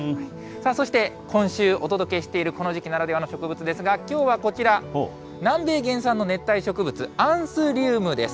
そして今週お届けしているこの時期ならではの植物ですが、きょうはこちら、南米原産の熱帯植物、アンスリウムです。